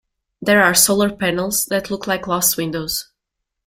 There are solar panels that look like glass windows.